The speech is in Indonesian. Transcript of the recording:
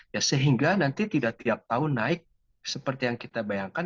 ya sehingga nanti tidak tiap tahun naik seperti yang kita bayangkan